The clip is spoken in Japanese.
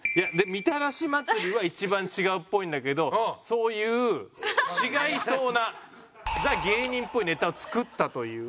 みたらし祭りは一番違うっぽいんだけどそういう違いそうなザ芸人っぽいネタを作ったという。